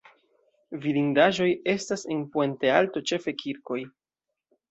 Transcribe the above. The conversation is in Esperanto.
Vidindaĵoj estas en Puente Alto ĉefe kirkoj.